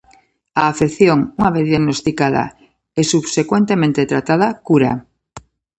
A afección, unha vez diagnosticada e subsecuentemente tratada, cura.